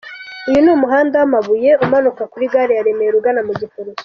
Uyu ni umuhanda w'amabuye umanuka kuri Gare ya Remera ugana mu Giporoso.